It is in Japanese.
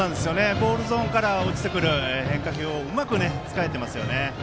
ボールゾーンから落ちてくる変化球をうまく使っていますね。